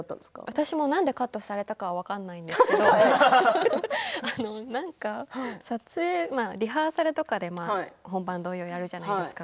私もなんでカットされたかは分からないんですけれどリハーサルとかで本番同様にやるじゃないですか。